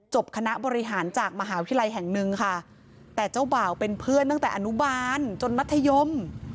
คณะบริหารจากมหาวิทยาลัยแห่งหนึ่งค่ะแต่เจ้าบ่าวเป็นเพื่อนตั้งแต่อนุบาลจนมัธยม